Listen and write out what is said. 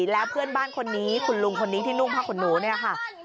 แล้วเพื่อนบ้านคนนี้คุณลุงคนนี้ที่นุ่งผ้าขนหนูเนี่ยค่ะ